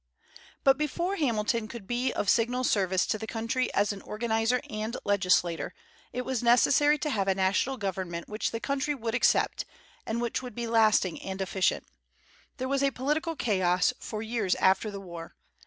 But before Hamilton could be of signal service to the country as an organizer and legislator, it was necessary to have a national government which the country would accept, and which would be lasting and efficient. There was a political chaos for years after the war.